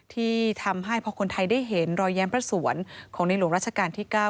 ที่ทำให้พระคนไทยได้เห็นรอยแย้มพระสวนของในหลวงรัชกาลที่เก้า